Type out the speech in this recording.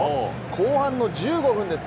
後半の１５分です